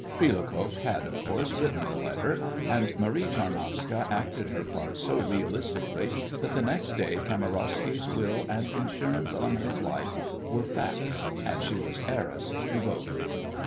Prilukoff had, of course, written the letter, and Marie Tarnowska acted her part so realistically that the next day Kamarowsky's will and insurance on his life were facts, and she was heiress to both!